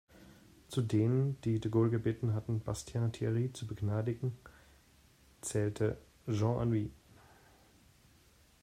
Zu denen, die de Gaulle gebeten hatten, Bastien-Thiry zu begnadigen, zählte Jean Anouilh.